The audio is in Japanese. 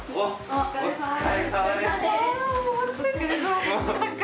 お疲れさまです！